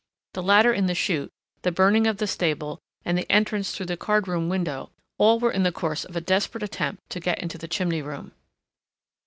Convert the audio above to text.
The ladder in the chute, the burning of the stable and the entrance through the card room window—all were in the course of a desperate attempt to get into the chimney room.